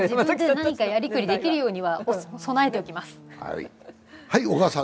そのときまで、やりくりできるように備えておきます。